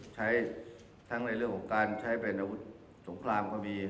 ใช้ทั้งในเรื่องของการใช้เป็นอาวุธสงครามก็มี